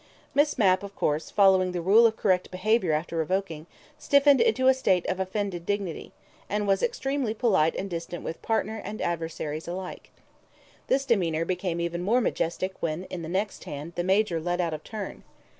Miss Mapp, of course, following the rule of correct behaviour after revoking, stiffened into a state of offended dignity, and was extremely polite and distant with partner and adversaries alike. This demeanour became even more majestic when in the next hand the Major led out of turn.